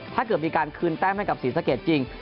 ถ้าเกิดมีการคืนแต้มให้กับศรีสะเกดจริง